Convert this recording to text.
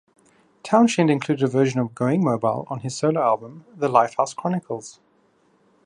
Townshend included a version of "Going Mobile" on his solo album "The Lifehouse Chronicles".